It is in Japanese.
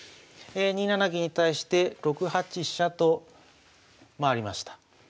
２七銀に対して６八飛車と回りました。